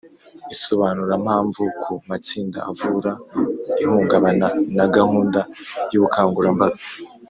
Isobanurampamvu ku matsinda avura ihungabana na gahunda y ubukangurambaga